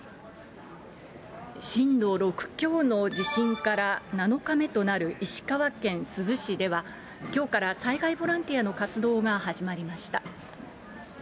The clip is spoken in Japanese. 震度６強の地震から７日目となる石川県珠洲市では、きょうから災害ボランティアの活動が始まりました。